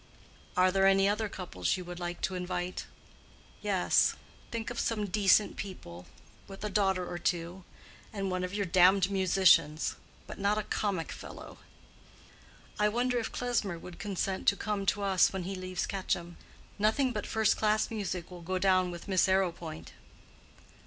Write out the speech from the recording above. "Are there any other couples you would like to invite?" "Yes; think of some decent people, with a daughter or two. And one of your damned musicians. But not a comic fellow." "I wonder if Klesmer would consent to come to us when he leaves Quetcham. Nothing but first class music will go down with Miss Arrowpoint."